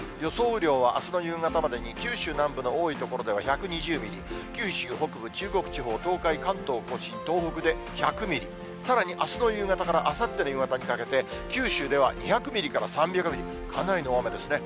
雨量はあすの夕方までに、九州南部の多い所では１２０ミリ、九州北部、中国地方、東海、関東甲信、東北で１００ミリ、さらにあすの夕方からあさっての夕方にかけて、九州では２００ミリから３００ミリ、かなりの大雨ですね。